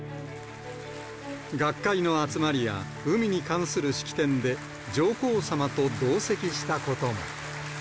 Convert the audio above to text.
学会の集まりや、海に関する式典で、上皇さまと同席したことも。